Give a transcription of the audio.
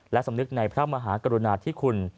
และสำนึกในพระมหากรุณาธิคุณ